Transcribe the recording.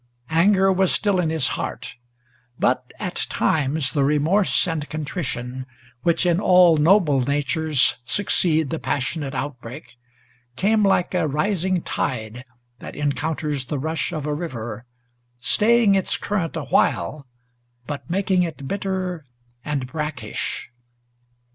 Anger was still in his heart, but at times the remorse and contrition Which in all noble natures succeed the passionate outbreak, Came like a rising tide, that encounters the rush of a river, Staying its current awhile, but making it bitter and brackish.